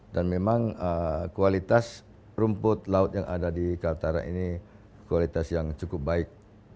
dan memang kualitas rumput laut yang ada di kaltara ini kualitas yang cukup baik